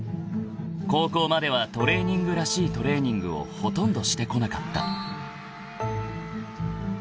［高校まではトレーニングらしいトレーニングをほとんどしてこなかった］